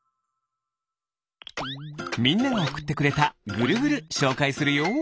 みんながおくってくれたぐるぐるしょうかいするよ。